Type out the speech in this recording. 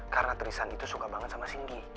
karena tristan itu suka banget sama singgi